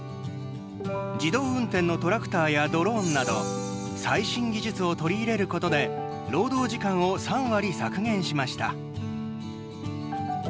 自動運転のトラクターやドローンなど最新技術を取り入れることで労働時間を３割削減しました。